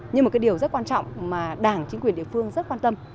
nhưng mà cái điều rất quan trọng mà đảng chính quyền địa phương rất quan tâm